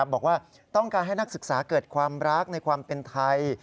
บอกว่าต้องการให้นักศึกษาเกิดความรักในความเป็นไทย